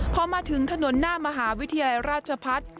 พอมาถึงถนนหน้ามหาวิทยาลัยราชพัฒน์